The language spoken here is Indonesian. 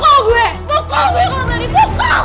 pukul gue kalau berani pukul